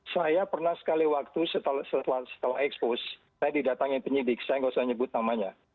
saya pernah sekali waktu setelah expose saya didatangi penyidik saya nggak usah nyebut namanya